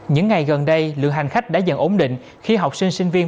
những ngày gần đây lượng hành khách đã dần ổn định khi học sinh sinh viên